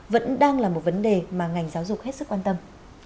vẫn đang là một vấn đề mà ngành giáo dục hết sức quan tâm